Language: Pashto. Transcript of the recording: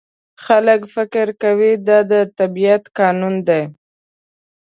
خلک فکر کوي دا د طبیعت قانون دی.